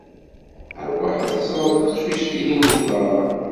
Rwaḥ ad teẓreḍ taqcict-ihin deg berra.